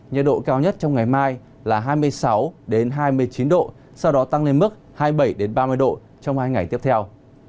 nhiệt độ cao nhất trong ngày mai là hai mươi sáu hai mươi chín độ sau đó tăng lên mức hai mươi bảy ba mươi độ trong hai ngày tiếp theo